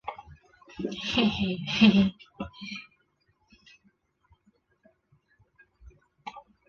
新港街道是位于中国福建省福州市台江区东部的一个街道。